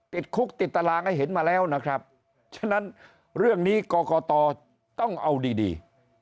ติดคุกติดตารางให้เห็นมาแล้วนะครับฉะนั้นเรื่องนี้กรกตต้องเอาดีดี